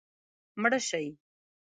مړه شي